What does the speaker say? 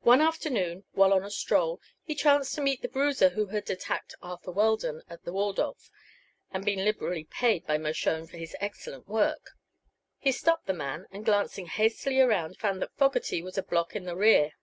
One afternoon, while on a stroll, he chanced to meet the bruiser who had attacked Arthur Weldon at the Waldorf, and been liberally paid by Mershone for his excellent work. He stopped the man, and glancing hastily around found that Fogerty was a block in the rear.